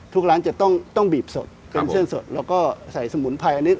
ทุกร้านจะต้องบีบสดเป็นเส้นสดแล้วก็ใส่สมุนไพรอันนี้